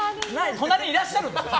隣にいらっしゃるのに。